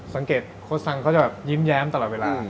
สังเกตโครสังเขาจะแบบยิ้มแย้มตลอดเวลา